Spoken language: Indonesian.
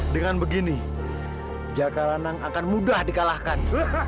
dengan begini jakalanang akan mudah dikalahkan